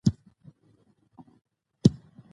کویلیو ادبي توازن ساتلی دی.